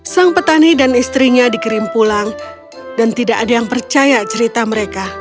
sang petani dan istrinya dikirim pulang dan tidak ada yang percaya cerita mereka